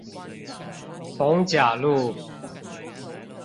逢甲路